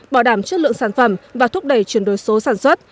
bảo đảm chất lượng sản phẩm và thúc đẩy chuyển đổi số sản xuất